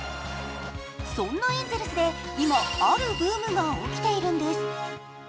そんなエンゼルスで今あるブームが起きているんです。